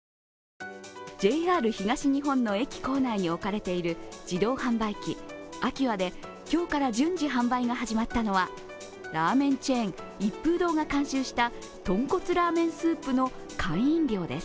ＪＲ東日本の駅構内に置かれている自動販売機アキュアで今日から順次販売が始まったのはラーメンチェーン、一風堂が監修したとんこつラーメンスープの缶飲料です。